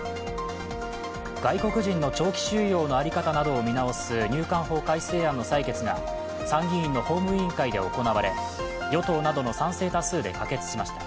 外国人の長期収容のあり方などを見直す入管法改正案の採決が参議院の法務委員会で行われ与党などの賛成多数で可決しました。